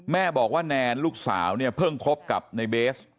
แม่บอกว่าแนลลูกสาวเพิ่งพบกับในเบส